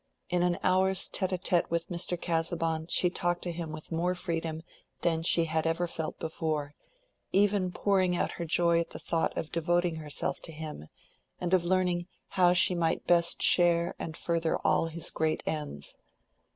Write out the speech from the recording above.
In an hour's tête à tête with Mr. Casaubon she talked to him with more freedom than she had ever felt before, even pouring out her joy at the thought of devoting herself to him, and of learning how she might best share and further all his great ends.